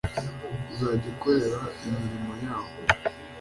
uzajya ukorera imirimo yawo